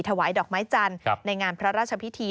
ถวายดอกไม้จันทร์ในงานพระราชพิธี